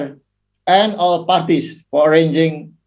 dan semua partai yang bergabung